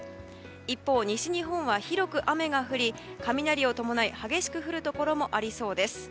一方、西日本は広く雨が降り雷を伴い激しく降るところもありそうです。